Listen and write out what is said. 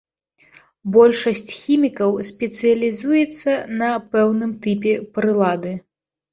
Большасць хімікаў спецыялізуецца на пэўным тыпе прылады.